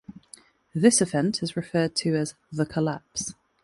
This event is referred to as "the collapse".